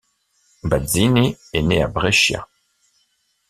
Bazzini est né à Brescia.